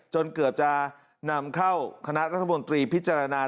จนเกือบจะนำเข้าคณะรัฐมนตรีพิจารณา